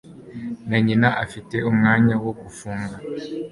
na nyina ufite umwanya wo gufunga